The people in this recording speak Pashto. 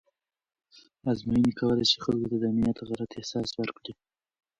ازموینې کولی شي خلکو ته د امنیت غلط احساس ورکړي.